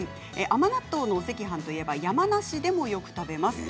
甘納豆のお赤飯といえば山梨でもよく食べます。